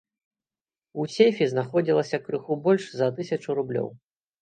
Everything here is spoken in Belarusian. У сейфе знаходзілася крыху больш за тысячу рублёў.